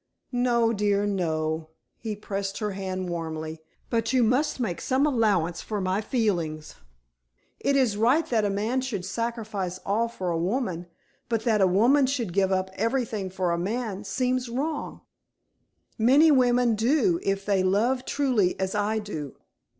"No, dear, no." He pressed her hand warmly. "But you must make some allowance for my feelings. It is right that a man should sacrifice all for a woman, but that a woman should give up everything for a man seems wrong." "Many women do, if they love truly as I do."